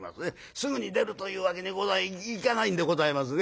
すぐに出るというわけにいかないんでございますね。